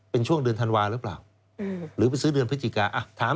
เป็นช่วงเดือนธันวาหรือเปล่าหรือไปซื้อเดือนพฤศจิกาถาม